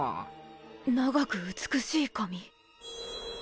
長く美しい髪。